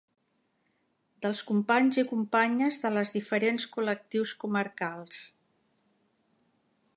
Dels companys i companyes de les diferents col·lectius comarcals.